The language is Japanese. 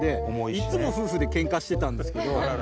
いつも夫婦でけんかしてたんですけど。